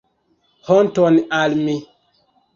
Honton al mi.